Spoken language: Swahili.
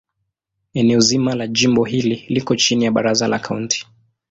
Eneo zima la jimbo hili liko chini ya Baraza la Kaunti.